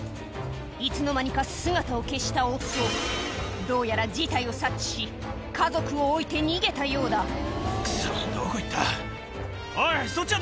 いつの間にか姿を消した夫どうやら事態を察知し家族を置いて逃げたようだクソどこ行った？